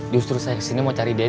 justru saya ke sini mau cari dede cuy